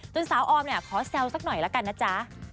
สาวออมเนี่ยขอแซวสักหน่อยละกันนะจ๊ะ